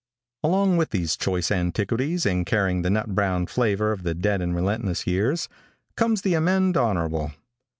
Along with these choice antiquities, and carrying the nut brown flavor of the dead and relentless years, comes the amende honorable.